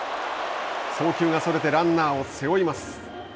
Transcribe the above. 送球がそれてランナーを背負います。